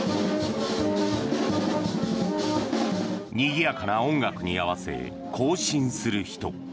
にぎやかな音楽に合わせ行進する人。